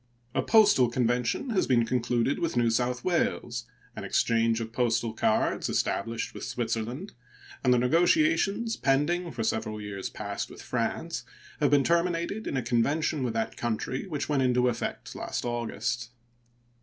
A postal convention has been concluded with New South Wales, an exchange of postal cards established with Switzerland, and the negotiations pending for several years past with France have been terminated in a convention with that country, which went into effect last August.